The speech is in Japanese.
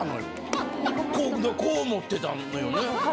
こう持ってたのよね。